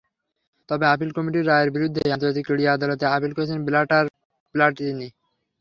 তবে আপিল কমিটির রায়ের বিরুদ্ধেই আন্তর্জাতিক ক্রীড়া আদালতে আপিল করেছেন ব্ল্যাটার-প্লাতিনি।